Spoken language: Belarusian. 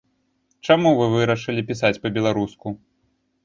Чаму вы вырашылі пісаць па-беларуску?